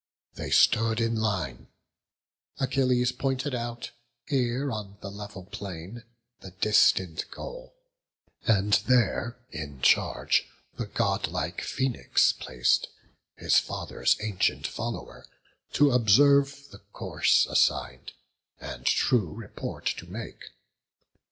They stood in line; Achilles pointed out, Ear on the level plain, the distant goal; And there in charge the godlike Phoenix plac'd, His father's ancient follower, to observe The course assign'd, and true report to make.